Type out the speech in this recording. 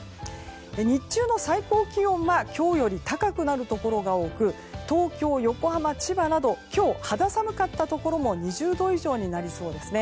日中の最高気温は今日より高くなるところが多く東京、横浜、千葉など今日肌寒かったところも２０度以上になりそうですね。